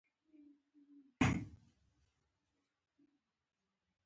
• دښمني د منافقت زېږنده ده.